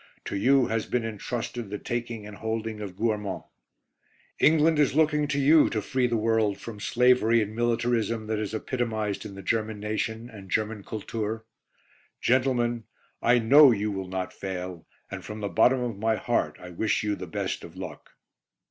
To you has been entrusted the taking and holding of Gouerment.... England is looking to you to free the world from slavery and militarism that is epitomized in the German nation and German Kultur.... Gentlemen, I know you will not fail, and from the bottom of my heart I wish you the best of luck."